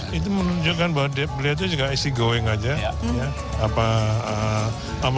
jadi itu menunjukkan bahwa dia itu juga easy going aja ya apa adanya